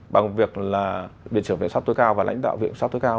bằng việc là viện trưởng viện sát tối cao và lãnh đạo viện sát tối cao